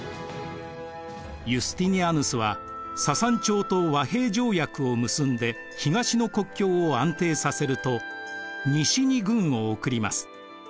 ユスティニアヌスはササン朝と和平条約を結んで東の国境を安定させると西に軍を送ります。